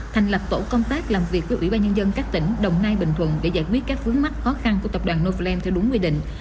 thành lập tổ công tác làm việc với ủy ban nhân dân các tỉnh đồng nai bình thuận để giải quyết các vướng mắc khó khăn của tập đoàn novel theo đúng quy định